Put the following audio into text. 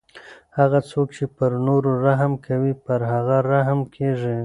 هغه څوک چې پر نورو رحم کوي پر هغه رحم کیږي.